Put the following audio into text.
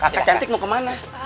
kakak cantik mau kemana